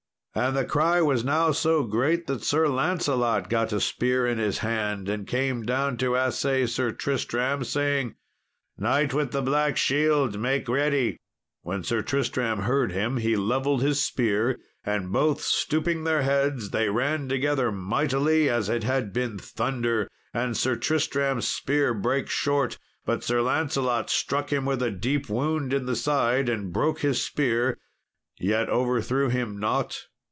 And the cry was now so great that Sir Lancelot got a spear in his hand, and came down to assay Sir Tristram, saying, "Knight with the black shield, make ready." When Sir Tristram heard him he levelled his spear, and both stooping their heads, they ran together mightily, as it had been thunder. And Sir Tristram's spear brake short, but Sir Lancelot struck him with a deep wound in the side and broke his spear, yet overthrew him not.